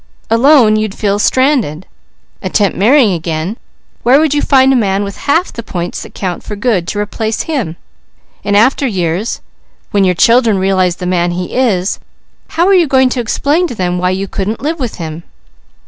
Alone you'd feel stranded. Attempt marrying again, where would you find a man with half the points that count for good, to replace him? In after years when your children realize the man he is, how are you going to explain to them why you couldn't live with him?"